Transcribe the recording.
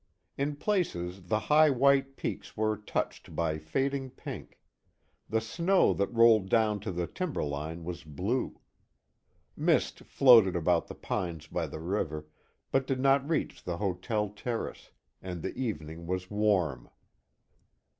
In places the high white peaks were touched by fading pink; the snow that rolled down to the timber line was blue. Mist floated about the pines by the river, but did not reach the hotel terrace, and the evening was warm.